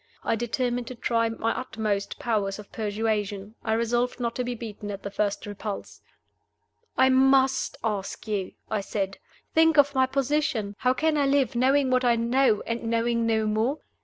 I determined to try my utmost powers of persuasion; I resolved not to be beaten at the first repulse. "I must ask you," I said. "Think of my position. How can I live, knowing what I know and knowing no more?